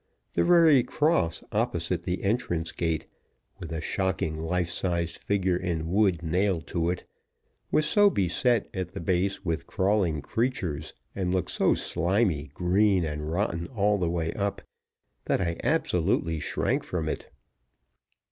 The very cross opposite the entrance gate, with a shocking life sized figure in wood nailed to it, was so beset at the base with crawling creatures, and looked so slimy, green, and rotten all the way up, that I absolutely shrank from it.